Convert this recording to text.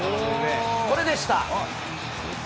これでした。